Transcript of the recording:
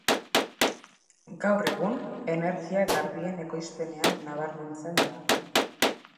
Gaur egun, energia garbien ekoizpenean nabarmentzen da.